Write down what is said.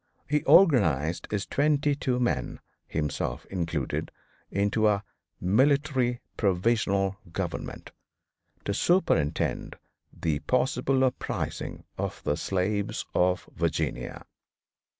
He organized his twenty two men, himself included, into a "=Military Provisional Government=" to superintend the possible uprising of the slaves of Virginia.